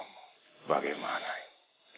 pramu bagaimana ini